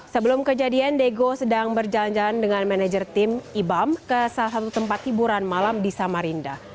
sebelum kejadian diego sedang berjalan jalan dengan manajer tim ibam ke salah satu tempat hiburan malam di samarinda